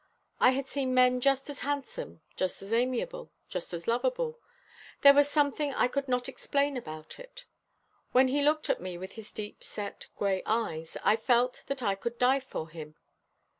I had seen men just as handsome, just as amiable, just as lovable there was something I could not explain about it. When he looked at me with his deep set grey eyes, I felt that I could die for him.